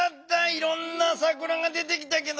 いろんな「さくら」が出てきたけど。